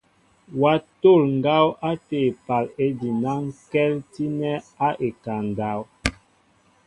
Wa tol ŋgaw ate épaal ejinaŋkɛltinɛ a ekaŋ ndáw.